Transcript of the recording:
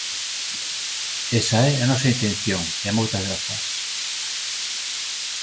Esa é a nosa intención, e moitas grazas.